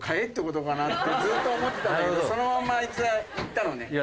ずっと思ってたんだけどそのまんまあいつは行ったのね。